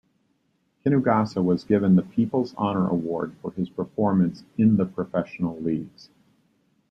Kinugasa was given the People's Honour Award for his performance in the professional leagues.